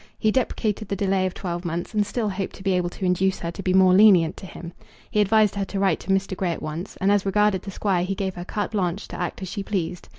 He deprecated the delay of twelve months, and still hoped to be able to induce her to be more lenient to him. He advised her to write to Mr. Grey at once, and as regarded the Squire he gave her carte blanche to act as she pleased.